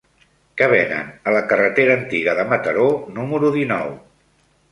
Què venen a la carretera Antiga de Mataró número dinou?